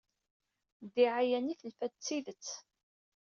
Ddiɛaya-nni telfa-d d tidet.